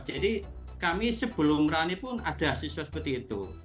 jadi kami sebelum rani pun ada siswa seperti itu